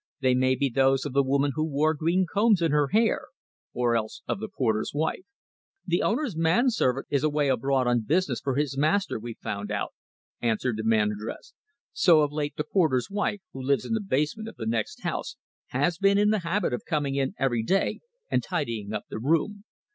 "They may be those of the woman who wore green combs in her hair, or else of the porter's wife." "The owner's man servant is away abroad on business for his master, we've found out," answered the man addressed. "So of late the porter's wife, who lives in the basement of the next house, has been in the habit of coming in every day and tidying up the room.